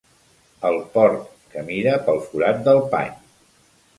El porc que mira pel forat del pany.